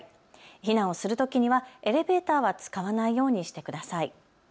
避難をするときにはエレベーターは使わないようにしてください。